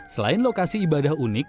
selain lokasi ibadah unik